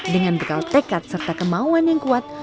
dengan bekal tekad serta kemauan yang kuat